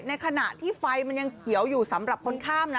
ในขณะที่ไฟมันยังเขียวอยู่สำหรับคนข้ามนะ